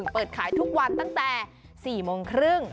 เปิดขายทุกวันตั้งแต่๔โมงครึ่ง